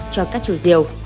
cho các chủ diều